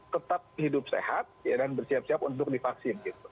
tetap hidup sehat dan bersiap siap untuk divaksin